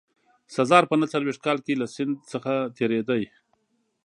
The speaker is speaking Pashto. سزار په نه څلوېښت کال کې له سیند څخه تېرېده.